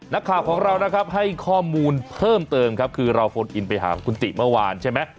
นักข่าวของเรานะครับให้ข้อมูลเพิ่มเติมครับคือเราโฟนอินไปหาคุณติเมื่อวานใช่ไหม